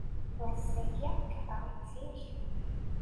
Ass-agi, kkreɣ-d zik.